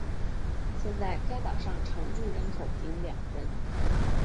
现在该岛上常住人口仅两人。